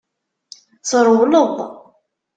Trewleḍ.